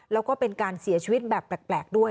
แล้วก็เป็นการเสียชีวิตแบบแปลกด้วย